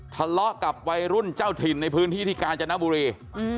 ทะเลาะกับวัยรุ่นเจ้าถิ่นในพื้นที่ที่กาญจนบุรี